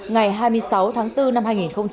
ngày hai mươi sáu tháng bốn năm hai nghìn hai mươi